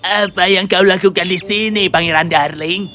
apa yang kau lakukan di sini pangeran darling